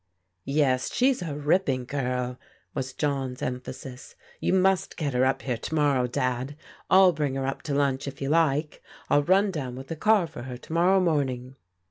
"Yes, she's a ripping girl," was John's emphasis. " You must get her up here to morrow. Dad. I'll bring her up to lunch if you like. I'll run down with the car for her to morrow morning."